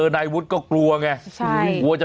เบิร์ตลมเสียโอ้โห